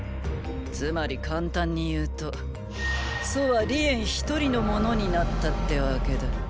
つまり簡単に言うと楚は李園一人のものになったってわけだ。